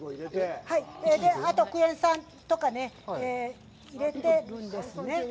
あと、クエン酸とかね、入れてるんですね。